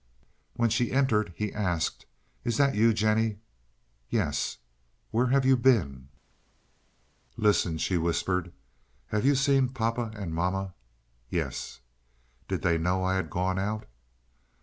When she entered he asked, "Is that you, Jennie?" "Yes." "Where have you been?" "Listen," she whispered. "Have you seen papa and mamma?" "Yes." "Did they know I had gone out?"